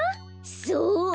そう！